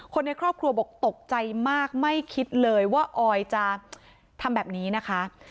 ในครอบครัวบอกตกใจมากไม่คิดเลยว่าออยจะทำแบบนี้นะคะ